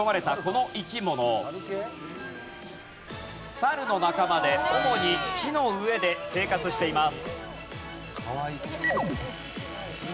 サルの仲間で主に木の上で生活しています。